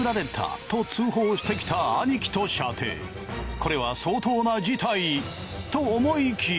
これは相当な事態。と思いきや。